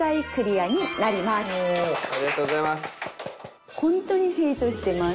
ありがとうございます。